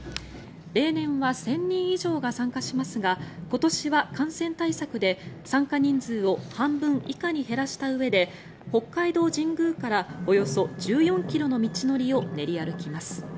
例年は１０００人以上が参加しますが今年は感染対策で参加人数を半分以下に減らしたうえで北海道神宮からおよそ１４ｋｍの道のりを練り歩きます。